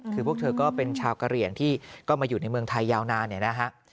คือพวกเธอก็เป็นชาวกระเหรียญที่มาอยู่ในเมืองไทยยาวนาน